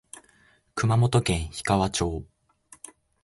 熊本県氷川町